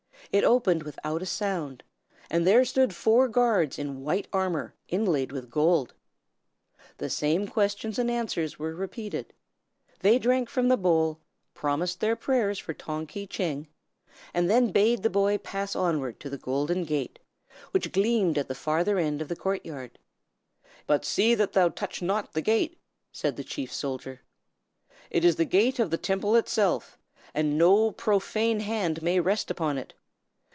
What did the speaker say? It opened without a sound, and there stood four guards in white armor inlaid with gold. The same questions and answers were repeated. They drank from the bowl, promised their prayers for Tong Ki Tcheng, and then bade the boy pass onward to the golden gate, which gleamed at the farther end of the court yard. "But see that thou touch not the gate!" said the chief soldier. "It is the gate of the Temple itself, and no profane hand may rest upon it.